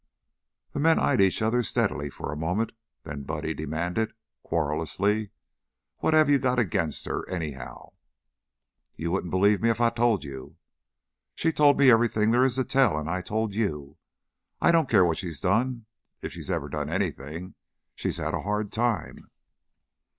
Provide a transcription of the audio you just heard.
The men eyed each other steadily for a moment, then Buddy demanded, querulously, "What have you got against her, anyhow?" "You wouldn't believe me if I told you." "She told me everything there is to tell an' I told you. I don't care what she's done if she ever done anything. She's had a hard time."